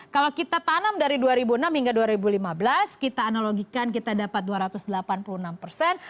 kalau kita tanam dari dua ribu enam hingga dua ribu lima belas kita analogikan kita dapat dua ratus delapan puluh enam persen